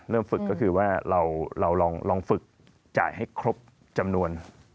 ฝึกก็คือว่าเราลองฝึกจ่ายให้ครบจำนวน